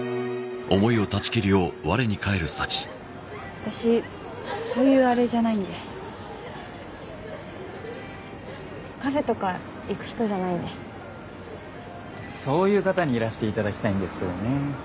私そういうあれじゃないんでカフェとか行く人じゃないんでそういう方にいらしていただきたいんですけどね